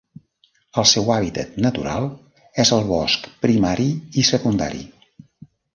El seu hàbitat natural és el bosc primari i secundari.